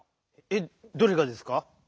えっどれがですか？